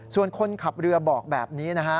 ส่วนคนขับเรือบอกแบบนี้นะฮะ